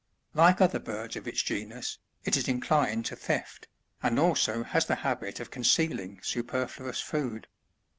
Like other birds of its genus, it is inclined to theft, and also has. the habit of concealing superfluous food.